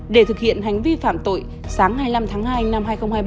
để thực hiện hành vi phạm tội sáng hai mươi năm tháng hai năm hai nghìn hai mươi ba